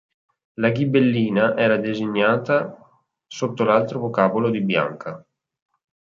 La ghibellina era designata sotto l'altro vocabolo di Bianca.